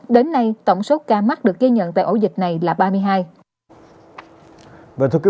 đến nay tổng số ca mắc được ghi nhận tại ổ dịch này là ba mươi hai